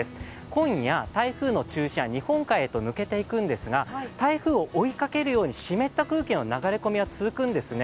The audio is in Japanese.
今夜台風の中心は日本海へと抜けていくんですが台風を追いかけるように湿った空気の流れ込みは続くんですね。